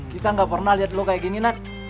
kita gak pernah liat lo kayak gini nat